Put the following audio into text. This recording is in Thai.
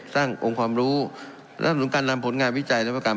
สร้างองค์ความรู้และสนุนการนำผลงานวิจัยและนวัตกรรม